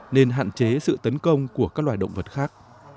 nên hạn chế sự tấn công của các loài động vật khác